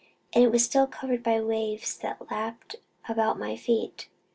And it was still covered by waves that lapped about my feet.